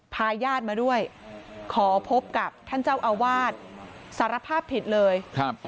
พาญาติมาด้วยขอพบกับท่านเจ้าอาวาสสารภาพผิดเลยครับ